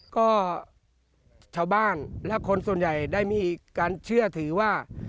ก็ชาวบ้านและคนส่วนใหญ่ได้มีการเชื่อถือว่า